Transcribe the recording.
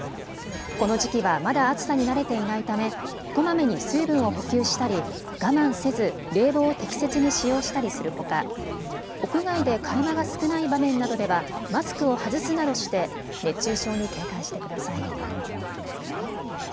この時期はまだ暑さに慣れていないため、こまめに水分を補給したり我慢せず冷房を適切に使用したりするほか屋外で会話が少ない場面などではマスクを外すなどして熱中症に警戒してください。